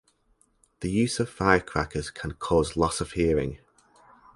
The use of firecrackers can cause loss of hearing.